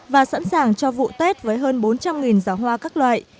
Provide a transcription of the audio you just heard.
và sẵn sàng cho vụ tết với hơn bốn trăm linh giỏ hoa các loại